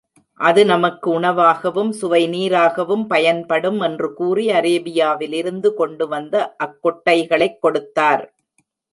அது நமக்கு உணவாகவும், சுவை நீராகவும் பயன்படும் என்று கூறி அரேபியாவிலிருந்து கொண்டு வந்த அக்கொட்டைகளைக் கொடுத்தார்.